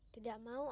tidak mau ah jorok